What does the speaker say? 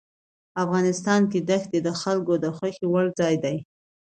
افغانستان کې دښتې د خلکو د خوښې وړ ځای دی.